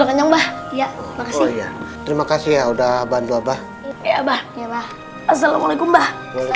anjama terima kasih ya udah bantu apa ya abah opportunah